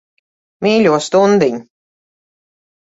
Mīļo stundiņ.